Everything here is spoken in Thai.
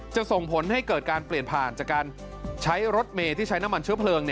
ส่งผลให้เกิดการเปลี่ยนผ่านจากการใช้รถเมย์ที่ใช้น้ำมันเชื้อเพลิง